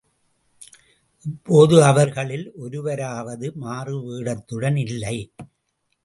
இப்போது அவர்களில் ஒருவராவது மாறுவேடத்துடன் இல்லை.